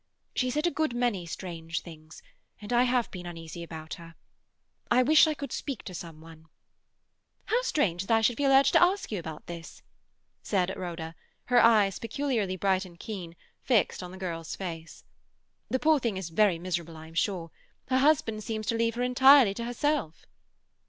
She said a good many strange things, and I have been uneasy about her. I wished I could speak to some one—" "How strange that I should feel urged to ask you about this," said Rhoda, her eyes, peculiarly bright and keen, fixed on the girl's face. "The poor thing is very miserable, I am sure. Her husband seems to leave her entirely to herself."